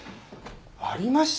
ありました。